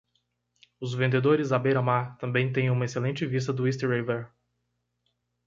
Os vendedores à beira-mar também têm uma excelente vista do East River.